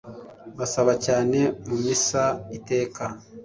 basaba cyane mu misa iteka